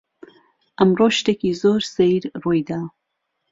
ئەمڕۆ شتێکی زۆر سەیر ڕووی دا.